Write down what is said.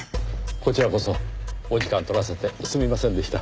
こちらこそお時間取らせてすみませんでした。